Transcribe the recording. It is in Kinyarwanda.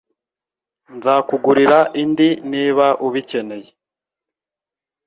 Nzakugurira indi niba ubikeneye